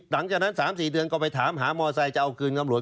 หลังจากนั้น๓๔เดือนก็ไปถามหามอไซค์จะเอาคืนตำรวจ